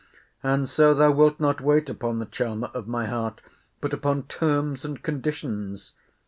And so thou wilt not wait upon the charmer of my heart, but upon terms and conditions!